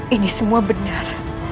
ini semua benar